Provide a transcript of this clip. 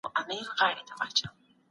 ما د مینې مطالعه په ډېر کم عمر کي پیل کړه.